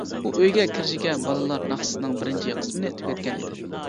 ئۇ ئۆيگە كىرىشىگە بالىلار ناخشىنىڭ بىرىنچى قىسمىنى تۈگەتكەن ئىدى.